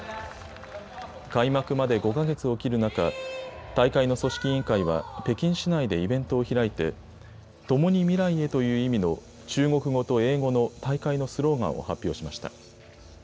開幕まで５か月を切る中、大会の組織委員会は北京市内でイベントを開いて、ともに未来へという意味の中国語と英語の大会のスローガンを発表しました。